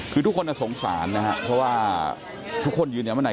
คือทุกคนสงสารนะฮะเพราะว่าทุกคนยืนอย่างเมื่อไหน